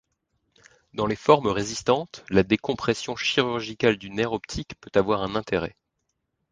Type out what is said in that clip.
Dans les formes résistantes, la décompression chirurgicale du nerf optique peut avoir un intérêt.